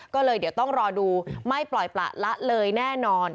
ก็เลยเดี๋ยวต้องรอดูไม่ปล่อยประละเลยแน่นอน